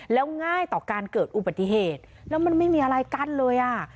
แล้วง่ายต่อการเกิดอุบัติเหตุแล้วมันไม่มีอะไรกั้นเลยอ่ะ